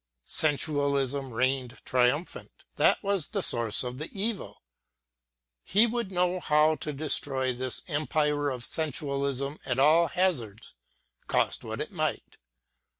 Sensualism reigned triumphant; that was the source of the evil : he would know how to destroy this empire of sensualism at all hazards, cost what it might.